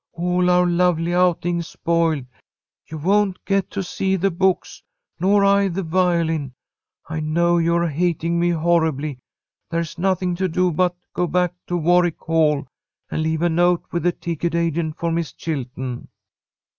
"All our lovely outing spoiled! You won't get to see the books, nor I the violin. I know you are hating me horribly. There's nothing to do but go back to Warwick Hall, and leave a note with the ticket agent for Miss Chilton."